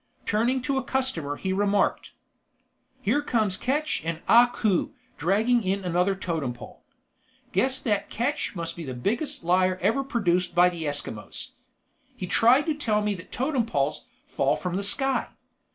Turning to a customer he remarked, "Here comes Ketch and Ah Koo dragging in another Totem Pole. Guess that Ketch must be the biggest liar ever produced by the Eskimos. He tried to tell me that Totem Poles fall from the sky.